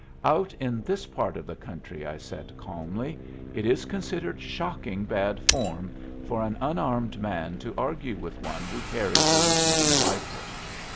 "Out in this part of the country," I said calmly, "it is considered shocking bad form for an unarmed man to argue with one who carries a repeating rifle.